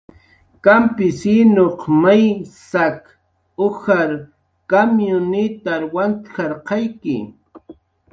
"Kampisinuq may saq ujar kamyunitar wantk""arqayki"